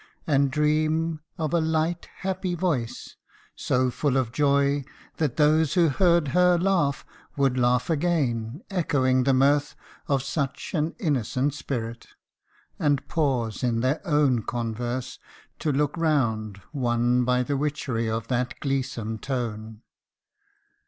and dream Of a light, happy voice so full of joy, That those who heard her laugh, would laugh again, Echoing the mirth of such an innocent spirit ; And pause in their own converse, to look round, Won by the witchery of that gleesome tone.